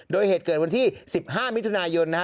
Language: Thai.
โดยเหตุเกิดวันที่๑๕มิถุนายนนะฮะ